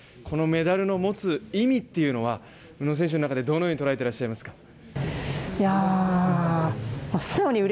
このメダルの持つ意味っていうのは宇野選手の中でどのように捉えてらっしゃいますか？